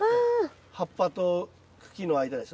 葉っぱと茎の間です。